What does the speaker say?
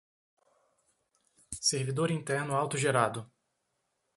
Servidor interno autogerado